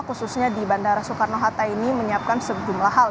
khususnya di bandara soekarno hatta ini menyiapkan sejumlah hal